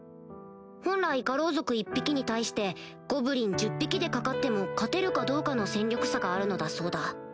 本来牙狼族１匹に対してゴブリン１０匹で掛かっても勝てるかどうかの戦力差があるのだそうだ